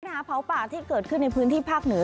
หาเผาป่าที่เกิดขึ้นในพื้นที่ภาคเหนือ